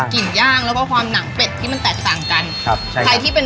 ย่างแล้วก็ความหนังเป็ดที่มันแตกต่างกันครับใช่ใครที่เป็น